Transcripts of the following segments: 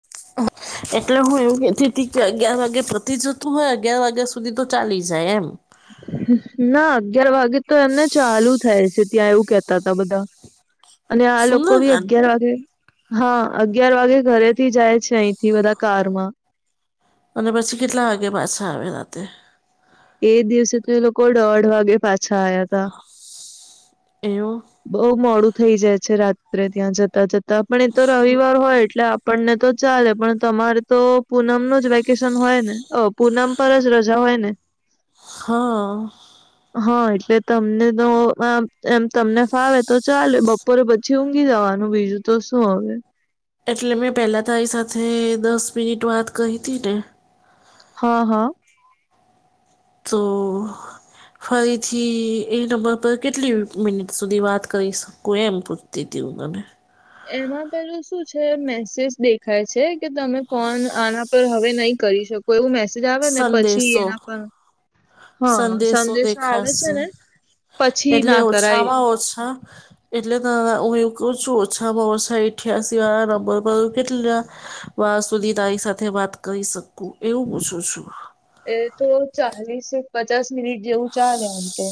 [unintelligible] એટલે હું એવું કેતી ત કે અગિયાર વાગે પતી જતું હોય અગિયાર વાગ્યા સુધી તો ચાલી જાય એમ ના અગિયાર વાગે તો એમને ચાલુ થાય છે ત્યાં એવું કેતા હતા બધા અને આ લોકો ભી સુંદરકાંડ અગિયાર વાગે હા અગિયાર વાગે ઘરેથી જાય છે અહીંથી બધા કારમાં અને પછી કેટલા વાગે પાછા આવે રાતે એ દિવસે તો એ લોકો દોઢ વાગે પાછા આવયા ત એવું બઉુ મોડું થઈ જાય છે રાત્રે ત્યાં જતા જતા પણ એ તો રવિવાર હોય એટલે આપને તો ચાલે પણ તમારે તો પૂનમ ન જ વેકેશન હોય ને પૂનમ પર જ રજા હોય ને હા હા એટલે તમને તો અ એમ તમને ફાવે તો ચાલે બ પર પછી ઊંઘી જવાનું બીજું તો શું અવે. એટલે મેં પહેલાં તારી સાથે દસ મિનિટ વાત કરીતી ને. હા હા તો ફરીથી એ નંબર પર કેટલી મિનિટ સુધી વાત કરી શકું એમ પૂછ તેતી હુંગમે એમાં પેલું શું છે મેસેજ દેખાય છે કે તમે ફોન આના પર હવે નહીં કરી શકો એવું મેસેજ આવે ને પછી સંદેશો એના પર હા સંદેશો આવે છે દેખાશે ને પછી એટલે ના કરાય ઓછામાં ઓછા એટલે ત હવે ઉ એવું કઉ છું ઓછામાં ઓછા ઇઠિયાસી આવેને બઉ બઉ કેટલા વા સુધી તારી સાથે વાત કરી શકું એવું પૂશુ શું. એ તો ચાલીસે પચાસ મિનિટ જેવું ચાલે આમ તો.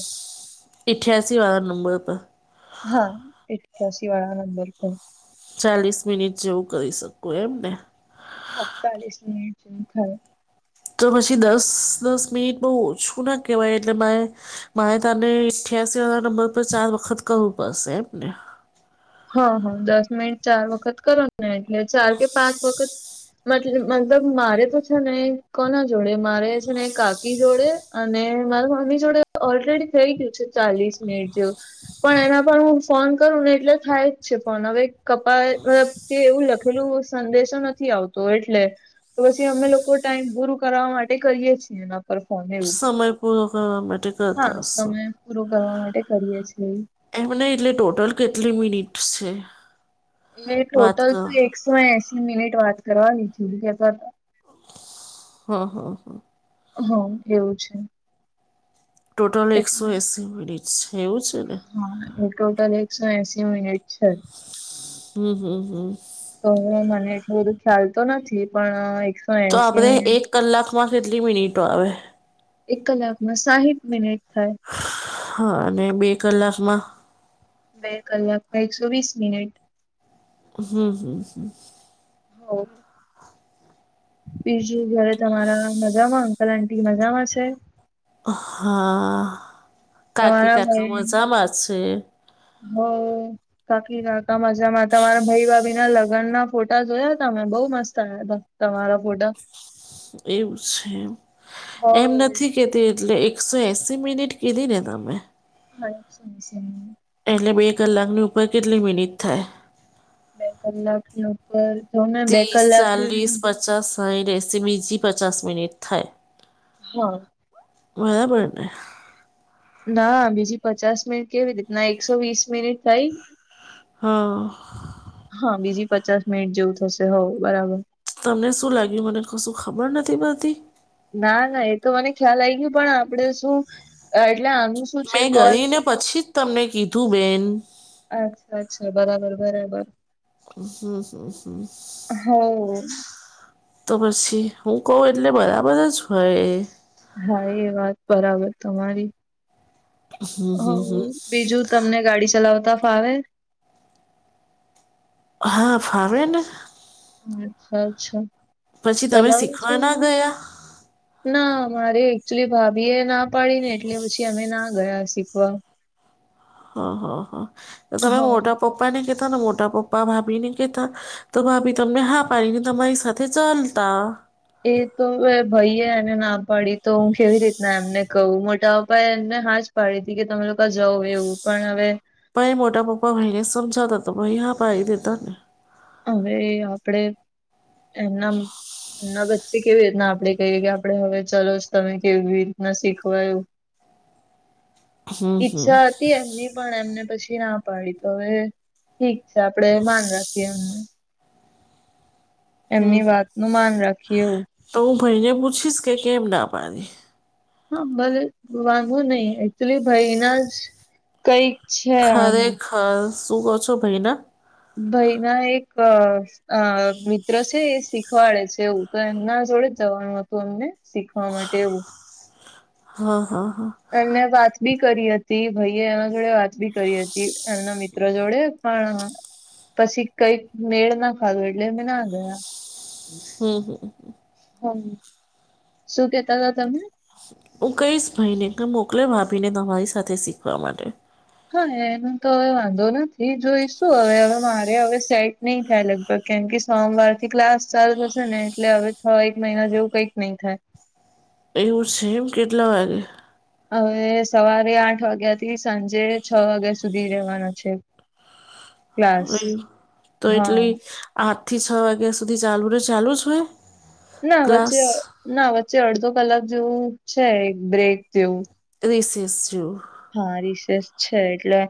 ઈઠ્યાસીવાળા નંબર પર. હા ઈઠ્યાસીવાળા નંબર પર. ચાલીસ મિનિટ જેવું કરી શકું એમ ને? હા, ચાલીસ મિનિટ જેવું થાય. તો પછી દસ-દસ મિનિટ બહ ઓછું ના કહેવાય એટલે મેં મારે તને ઈઠ્યાસીવાળા નંબર પર ચાર વખત કરવું પડશે એમ ને? હ હ દસ મિનિટ ચાર વખત કરો ને એટલે ચાર કે પાંચ વખત મતલ મતલબ મારે તો છે ને કોના જોડે મારે છે ને કાકી જોડે અને મારા મમ્મી જોડે ઓલરેડી થઈ ગયું છે ચાલીસ મિનિટ જેવું. પણ એના પર હું ફોન કરું ને એટલે થાય જ છે ફોન અવે કપાય મતલ કે એવું લખેલું સંદેશો નથી આવતો એટલે. તો પછી અમે લોકો ટાઈમ પૂરું કરવા માટે કરીએ છીએ એના પર ફોન એવું સમય પૂરો કરવા માટે કરતા હા હશો સમય પૂરો કરવા માટે કરીએ છીએ. એમને નઈ એટલે ટોટલ કેટલી મિનિટ્સ છે? એ વાત ટોટલ કર તો એકસો એસી મિનિટ વાત કરવાની છે એવું કેતા હતાં. હ હ હ. હ એવું છે. ટોટલ એકસો એટલે એંસી મિનિટસ છે એવું છે ને? હા એ ટોટલ એકસો એસી મિનિટ છે. હમ્મ હમ્મ હમ્મ. તોયે અવે મને એટલું બધું ખ્યાલ તો નથી પણ એક તો આપણે એક કલાકમાં કેટલી મિનિટો આવે? એક કલાકમાં સાહીઠ મિનિટ થાય. હા ને બે કલાકમાં? બે કલાકમાં એકસો વીસ મિનિટ. હમ્મ હમ્મ હમ્મ. ઓહ! બીજું ઘરે તમારા મજામાંન અંકલ આન્ટી મજામાં છે? હા, કાકી તમારા કાકા મજામાં છે. હ. કાકી કાકા મજામાં, તમારા ભઈ ભાભીના લગનના ફોટા જોયા તા મેં બઉ મસ્ત હતાં. તમારાં ફોટા એવું શેમ હો એમ નથી. કેતી એટલે એકસો એસી મિનિટ કીધી ને તમે? હ જ છે [unintelligible] એટલે બે કલાકની ઉપર કેટલી મિનિટ થાય? બે કલાકની ઉપર જોને બે ત્રીસ કલાક ચાલીસ એટલે પચાસ સાહીઠ એસી બીજી પચાસ મિનિટ થાય. હા બરાબર ને ના બીજી પચાસ મિનિટ કેવી રીતનાં, એકસો વીસ મિનિટ થઈ. હ. હ બીજી પચાસ મિનિટ જેવું થશે હોવ બરાબર. તમને શું લાગ્યું મને કશું ખબર નથી પડતી? ના ના એ તો મને ખ્યાલ આવી ગયો પણ આપડે જે અ એટલે મેં ગઈ ને પછી જ તમને કીધું બેન અચ્છા અચ્છા બરાબર બરાબર હો [inaudible] તો પછી હું કહું એટલે બરાબર જ હોય હા એ વાત બરાબર તમારી હમ હ હમ હમ બીજું તમને ગાડી ચલાવતા ફાવે હા ફાવે ને અચ્છા પછી તમે ચલાવો છો શીખવા ના ગયા ના મારે એકચુલી ભાભી એ ના પાડીને એટલે પછી અમે ના ગયા શીખવા હ હ હ તો તમે હા મોટા પપ્પા ને કીધૂ ને મોટા પપ્પા ભાભી ને કીતા તો ભાભી તમને હા પારીને તમારી સાથે ચાલતા એ તો ભાઈ એ એને ના પાડી તો હું કેવી રીતના એમને કહું મોટાપપ્પા એમને હાજ પડી હતી કે તમે લોકો જવ એવું પણ હવે પાઈ મોટા પપ્પા ભાઈને સમજાવ તો ભાઈ હા પાઈ દેતા હવે આપડે એમના એમના વચ્ચે કેવી રીતના આપડે કહીએ કે આપડે હવે ચાલ તમે કેવી રીતના શીખવાયું હમ હમ ઈચ્છા એમની પણ એમને પછી ના પાડી તો હવે ઠીક છે આપડે માન રાખીએ એમનું હમ એમની વાત નું માન રાખીએ એવુ તો હું ભાઈને પૂછીશ કે કેમ ના પાડી હા ભલે વાંધો નહી એકચુલી ભાઈના જ કઈક છે આમ હા શું કહો છો ભાઈ ના ભય ના એક અ મિત્ર છે એ શીખવાડે છે એવું તો એમના જોડે જ જવાનું હતું અમને શીખવા માટે એવું હા હા હા એમને વાત બી કરી હતી ભાઈએ એના જોડે વાત બી કરી હતી એમના મિત્ર જોડે પણ પછી કઈક મેળ ના ખાધો એટલે મેં ના ગયા હમ્મ હમ શું કેતા તા તમે હું કઈશ ભાઈ ને કે મોકલે ભાભીને તમારી સાથે શીખવા માટે. હા એનું તો હવે વાંધો નથી જોઈશું હવે હવે મારે હવે સેટ નહી થાય લગભગ કેમ કે સોમવાર થી ક્લાસ ચાલુ થશે ને એટલે હવે છ એક મહિના જેવું કઈક નહી થાય. એવું સેમ કેટલા વાગે હવે સવારે આઠ વાગ્યા થી સાંજે છ વાગ્યા સુધી રેવાના છે. ક્લાસ તો હા એટલી આઠ થી છ વાગ્યા સુધી ચાલુ રે ચાલુ જ હોય. ના વચ્ચે ક્લાસ ના વચ્ચે અડધો કલાક જેવું છે એક બ્રેક જેવું રિસસ જોું હા રિસેસ છે એટલે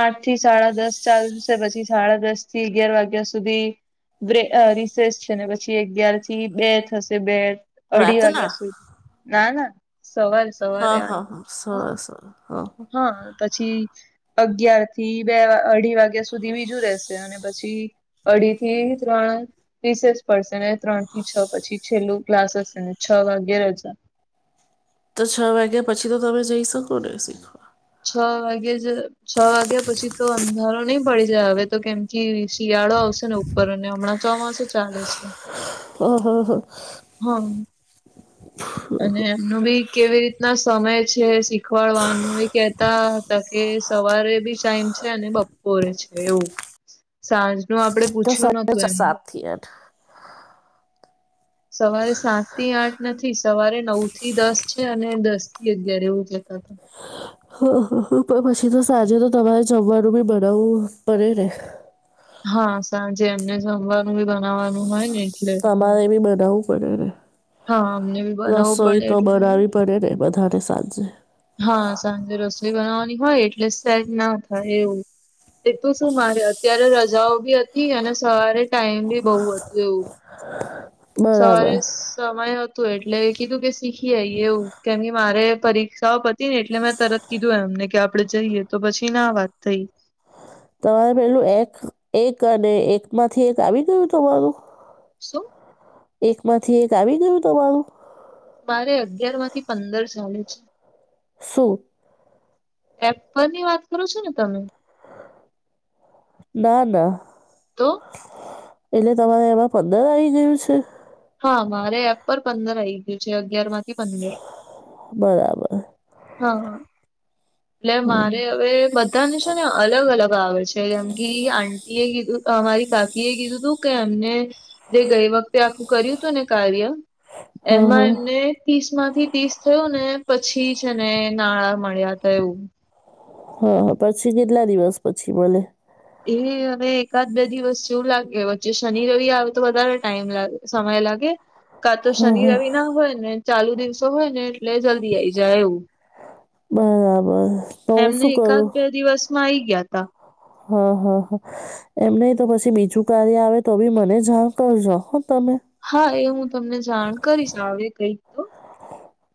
આઠ થી સાડા દસ ચાલ. પછી સાડા દસ થી અગિયાર વાગ્યા સુધી. બ્રે રિસેસ છે ને પછી અગિયાર થી બે થશે બે અઢી રાતના વાગ્યા સુધી ના ના સવાર હા હા હા સર સ હા હા હા પછી અગિયાર થી બે અઢી વાગ્યા સુધી બીજું રેશે અને પછી અઢી થી ત્રણ રીસેસ પડશે ને. ત્રણ થી છ પછી છેલ્લો ક્લાસ હશે ને છ વાગે રજા. તો છ વાગ્યા પછી તો તમે જઈ શકો ને શીખવા. છ વાગે જ છ વાગ્યા પછી. તો અંધારો નહી પડી જાય હવે તો કેમ કે શિયાળો આવશે ને ઉપર અને હમણાં ચોમાસું ચાલે છે. ઓહા હા. હમ અને એમનું બી કેવી રીતના સમય છે શીખ શીખાડવાનું એ કેતા. કે સવારે બી ટાઈમ છે અને બપોરે છે એવું. સાંજ નુ આપડે પૂછ્યું નોતુ એમ. થિયત [inaudible] સવારે સાત થી આઠ નથી સવારે નવ થી દસ છે અને દસ. થી અગિયાર એવું જતા હતા. હ હ પણ પછી તો સાંજે તો તમારે જમવાનું બી બનાવવું પડે ને. હા સાંજે એમને જમવાનું બી બનાવવાનું હોય ને. એટલે તમારે બી બનાવવું પડેને હા અમને બી બનાવવું પડે રસોઈ તો એટલે બનાવી. પડેને બધાને સાંજે. હા સાંજે રસોઈ બનાવવાની હોય એટલે સેટ ના થાય એવું. એ તો શું માર્યા. ત્યારે રજાઓ બી હતી અને સવારે ટાઈમ બી બહુ હતું એવું. [unintelligible] સવારે બરાબર સ સમય હતું એટલે કીધું કે શીખી આઈ એવું કેમ મારે પરીક્ષાઓ બ ને એટલે મેં તરત કીધું એમને કે આપણે જઈએ તો પછી ના વાત થઈ. તમારે પેલું એક્સ એક અને એક માંથી એક આવી ગયું તમારું. શું. એક માંથી એક આવી ગયું તમારું. મારે અગિયાર માંથી પંદર ચાલે છે. શું. પેપર ની વાત કરો છો ને તમે. ના ના તો એટલે તમારે એમાં પંદર આવી ગયું છે. હા મારે એપ પર પંદર આવીઈ ગયું છે અગિયાર માંથી પંદર. બરાબર હા હા એટલે હમ. મારે હવે બ. બઘાં ને છે ને અલગ અલગ આવે છે જેમ કે આંટી એ કીધું અમારી કા. એ કીધું તું કે એમને જે ગઈ વખતે આખું કર્યું હતું ને કાર્ય. હા એમાં હા એમને. ત્રીસ માંથી ત્રીસ થયું ને પછી જ એને નાણા મળ્યાતા એવું. હા પછી કેટલા દિવસ પછી મળે. એ અમે એકાદ બે દિવસ જેવું લાગે વચ્ચે શનિ રવિ આવે તો વધારે ટાઈમ લાગે. સમય લાગે. કા તો હા શનિ હા રવિ ના હોય ને ચાલુ દિવસો હોય ને એટલે જલ્દી આઈ જાય એવું. બરાબર. તો હું એમને શું એકાદ કરું બે દિવસમાં આ આવી ગયા તા હા હા હા એમ નહી તો પછી બીજું કાર્ય આવે તો બી મને જાણ કરજો હો તમે હા એ હું તમને જાણ કરીશ આવે કઈક તો.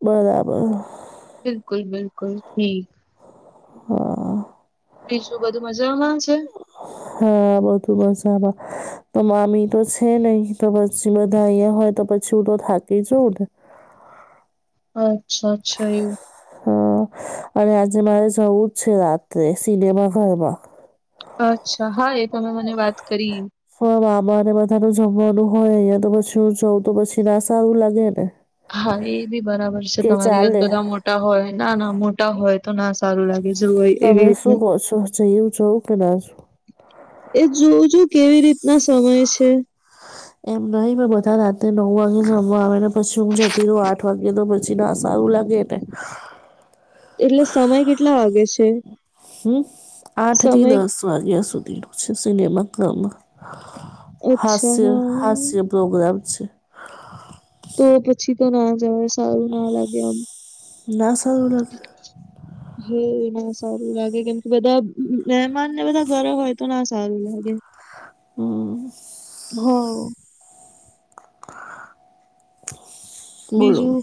બરાબર. બિલકુલ બિલકુલ ઠીક. હા. બીજું બધું મજામાં છે. હા બધુ બસ આબ તો મામી તો છે નહી તો પછી બધા અહીંયા હોય તો પછી હું તો થાકી જઉં ને અચ્છા અચ્છા એવું હા અને આજે મારે જવું જ છે રાત્રે સિનેમા ઘરમાં અચ્છા હા એ તમે મને વાત કરી ફોર્મ આમાં ને બધાનું જમવાનું હોય અહીયા તો પછી હું જઉં તો પછી ના સારું લાગેને હા એ બી બરાબર છે તમારી વાત બધા મોટા હોય નાના મોટા હોય તો ના સારું લાગે જેવું હોય એવી તમે રીતે શું કહો છો જયું જવું કે ના જવું? એ જોજો કેવી રીતના સમય છે એમ નહિ મે બધા રાતેે નવ વાગે જમવા આવે ને પછી હું જતી રહું આઠ વાગે તો પછી ના સારું લાગે ને એટલે સમય કેટલા વાગે છે હમ આઠ થી સમય દસ વાગ્યા સુધીનું છે સિનેમા ઘરમાં અચ્છા હાસ્ય હા હાસ્ય પ્રોગ્રામ છે તો પછી તો ના જવાય સારું ના લાગે આમ ના સારું લાગે હે ના સારું લાગે કેમ કે બધા મહેમાન ને બધા ઘરે હોય તો ના સારું લાગે હમ હમ બોલો બીજું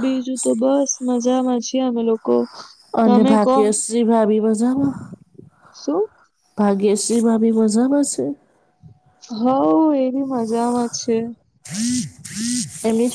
બીજું તો બસ મજામાં છીએ અમે લોકો અને બાકી તમે કહો ભાગ્યશ્રી ભાભી મજામાં શું ભાગ્યશ્રી ભાભી મજામાં શે હ એ બી મજામાં છે એમની